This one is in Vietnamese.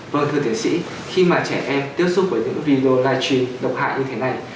vâng thưa tiến sĩ khi mà trẻ em tiếp xúc với những video live stream độc hại như thế này